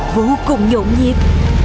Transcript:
vô cùng nhộn nhiệt